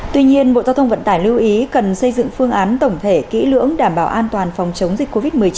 tuy nhiên bộ giao thông vận tải lưu ý cần xây dựng phương án tổng thể kỹ lưỡng đảm bảo an toàn phòng chống dịch covid một mươi chín